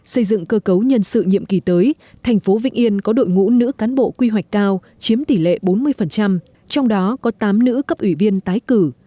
xây dựng cơ cấu nhân sự nhiệm kỳ tới thành phố vĩnh yên có đội ngũ nữ cán bộ quy hoạch cao chiếm tỷ lệ bốn mươi trong đó có tám nữ cấp ủy viên tái cử